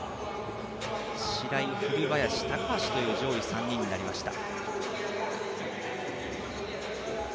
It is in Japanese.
白井、古林、高橋という上位３人になりました。